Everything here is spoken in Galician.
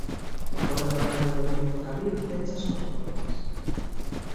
O restaurante Loliña do Carril pecha as súas portas.